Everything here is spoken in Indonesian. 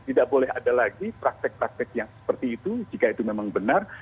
tidak boleh ada lagi praktek praktek yang seperti itu jika itu memang benar